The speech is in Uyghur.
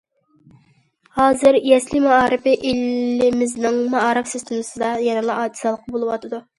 ھازىر، يەسلى مائارىپى ئېلىمىزنىڭ مائارىپ سىستېمىسىدا يەنىلا ئاجىز ھالقا بولۇۋاتىدۇ.